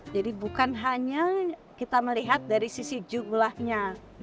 jadi bukan hanya kita melihat dari sisi jugulahnya